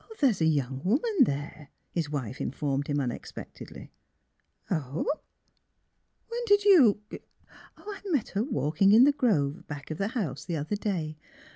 '' There is a young woman there," his wife in formed him unexpectedly. '^ Ah ? When did you '''' I met her walking in the grove back of the house the other day.